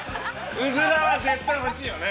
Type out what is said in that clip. ◆ウズラは絶対欲しいよね。